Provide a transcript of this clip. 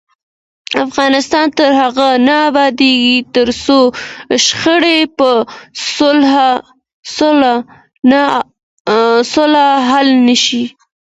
افغانستان تر هغو نه ابادیږي، ترڅو شخړې په سوله حل نشي.